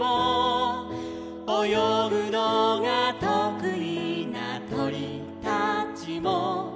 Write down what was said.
「およぐのがとくいなとりたちも」